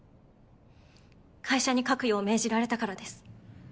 会社に書くよう命じられたからです。